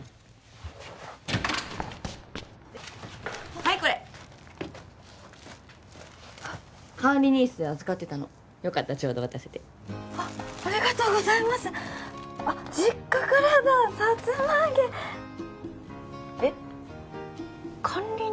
はいこれ管理人室で預かってたのよかったちょうど渡せてあっありがとうございますあっ実家からださつま揚げえっ管理人？